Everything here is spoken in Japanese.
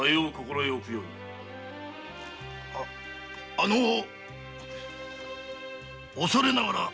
ああのう恐れながら。